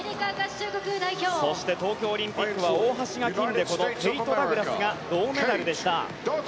そして東京オリンピックは大橋が金でこのケイト・ダグラスが銅メダルでした。